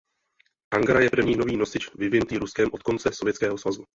Angara je první nový nosič vyvinutý Ruskem od konce Sovětského svazu.